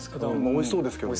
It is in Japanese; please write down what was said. おいしそうですけど。